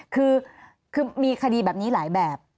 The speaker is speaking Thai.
คือมีคดีแบบนี้หลายแบบ